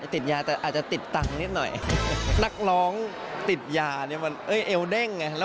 สดนานครับผม